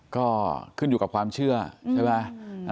ก็ขึ้นอยู่กับความเชื่อใช่ไหม